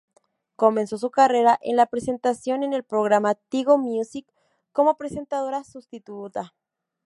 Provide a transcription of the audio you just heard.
Comenzó su carrera en la presentación en el programa Tigo Music, como presentadora sustituta.